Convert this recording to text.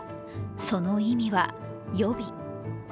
その意味は予備。